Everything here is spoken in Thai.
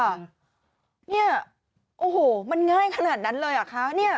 อันนี้โอ้โหวมันง่ายขนาดนั้นเลยค่ะ